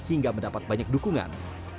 hingga mendapat banyak dukungan